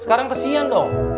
sekarang kesian dong